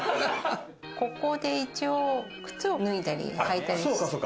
ここで一応、靴を脱いだり履いたり。